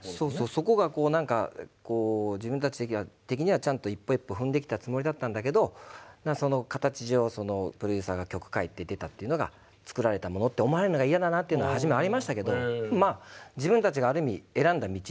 そこがこう何かこう自分たち的にはちゃんと一歩一歩踏んできたつもりだったんだけどその形上プロデューサーが曲書いて出たというのが作られたものって思われるのが嫌だなというのは初めありましたけど自分たちがある意味選んだ道でもあったので。